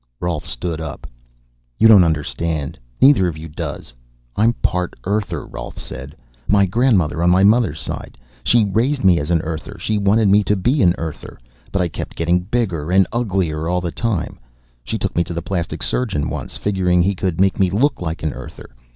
Rolf stood up. "You don't understand. Neither of you does. I'm part Earther," Rolf said. "My grandmother on my mother's side. She raised me as an Earther. She wanted me to be an Earther. But I kept getting bigger and uglier all the time. She took me to a plastic surgeon once, figuring he could make me look like an Earther.